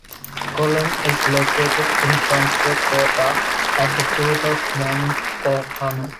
Cologne is located in Franciacorta at the foot of Monte Orfano.